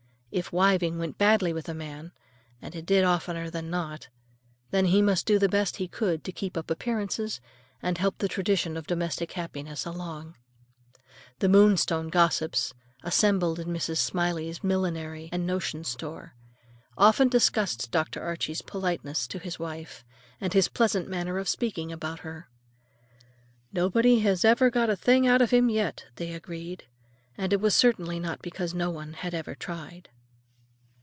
If wiving went badly with a man,—and it did oftener than not,—then he must do the best he could to keep up appearances and help the tradition of domestic happiness along. The Moonstone gossips, assembled in Mrs. Smiley's millinery and notion store, often discussed Dr. Archie's politeness to his wife, and his pleasant manner of speaking about her. "Nobody has ever got a thing out of him yet," they agreed. And it was certainly not because no one had ever tried.